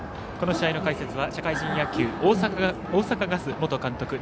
この試合の解説は社会人野球、大阪ガス元監督